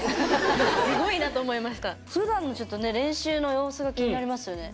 ほんとにふだんのちょっとね練習の様子が気になりますよね。